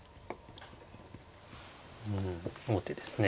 うん王手ですね。